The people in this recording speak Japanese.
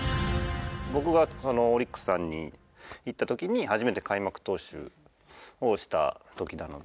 僕がオリックスさんに行った時に初めて開幕投手をした時なので。